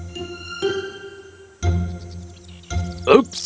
tidak itu terlalu berat